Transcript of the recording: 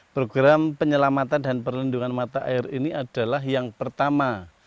program penyelamatan dan perlindungan mata air ini adalah yang pertama